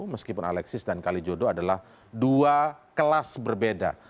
meskipun alexis dan kalijodo adalah dua kelas berbeda